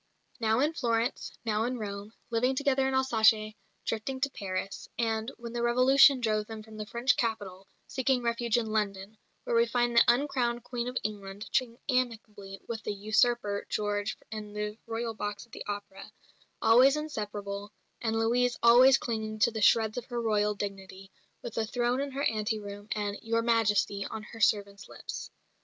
Now in Florence, now in Rome; living together in Alsace, drifting to Paris; and, when the Revolution drove them from the French capital, seeking refuge in London, where we find the uncrowned Queen of England chatting amicably with the "usurper" George in the Royal box at the opera always inseparable, and Louise always clinging to the shreds of her Royal dignity, with a throne in her ante room, and "Your Majesty" on her servants' lips.